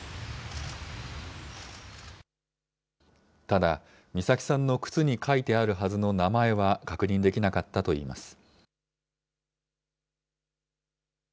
ただ、美咲さんの靴に書いてあるはずの名前は確認できなかったといいます。